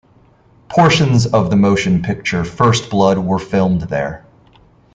Portions of the motion picture "First Blood" were filmed there.